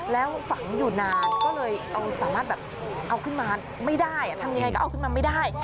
แล้วฝังอยู่นานก็เลยสามารถแบบเอาขึ้นมาไม่ได้ทำยังไงก็เอาขึ้นมาไม่ได้